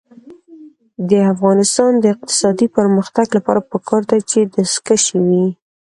د افغانستان د اقتصادي پرمختګ لپاره پکار ده چې دستکشې وي.